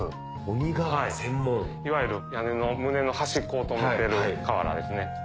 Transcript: いわゆる屋根の棟の端っこを留めてる瓦ですね。